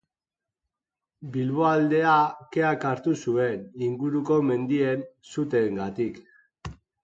Bilboaldea keak hartu zuen, inguruko mendien suteengatik.